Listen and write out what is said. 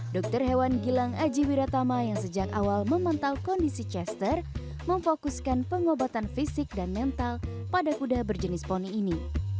dokter hewan gilang aji wiratama yang sejak awal memantau kondisi chester memfokuskan pengobatan fisik dan mental pada kuda berjenis poni ini